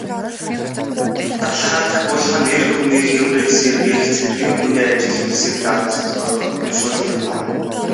Далха тахиулах нь эр хүний хийморийг сэргээх, цэргийн хүний ажил үйлсийг даатгахад уншуулдаг ном.